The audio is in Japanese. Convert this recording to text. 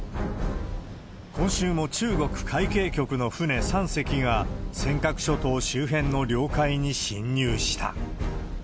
今週も中国海警局の船３隻が、尖閣諸島周辺の領海に侵入した。